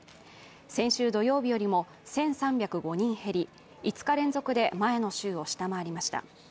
先週土曜日よりも１３０５人減り、５日連続で前の週を下回りました。